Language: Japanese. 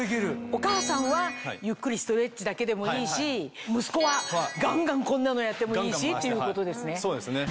お母さんはゆっくりストレッチだけでもいいし息子はガンガンこんなのやってもいいしっていうことですね。